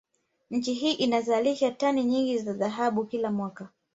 Nchi hii inazalisha tani nyingi za dhahabu kila mwaka